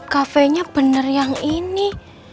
cafe nya bener yang ini